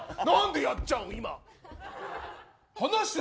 なんでやっちゃうの？